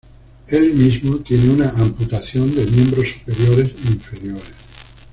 Él mismo tiene una amputación de miembros superiores e inferiores.